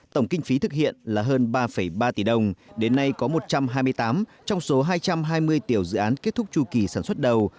tổng kinh phí thực hiện là hơn ba ba tỷ đồng đến nay có một trăm hai mươi tám trong số hai trăm hai mươi tiểu dự án kết thúc tru kỳ sản xuất đầu